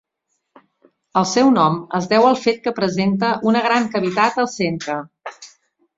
El seu nom es deu al fet que presenta una gran cavitat al centre.